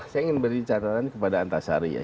saya ingin beri catatan kepada antasari ya